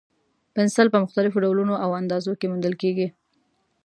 پنسل په مختلفو ډولونو او اندازو کې موندل کېږي.